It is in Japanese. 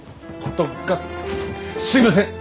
すいません！